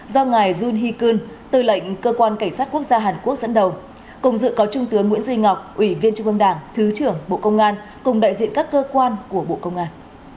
do ngài jun hi kun tư lệnh cơ quan cảnh sát quốc gia hàn quốc dẫn đầu cùng dự có trung tướng nguyễn duy ngọc ủy viên trung ương đảng thứ trưởng bộ công an cùng đại diện các cơ quan của bộ công an